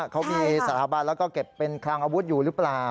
เขามีสถาบันแล้วก็เก็บเป็นคลังอาวุธอยู่หรือเปล่า